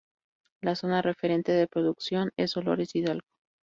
La zona referente de producción es Dolores Hidalgo.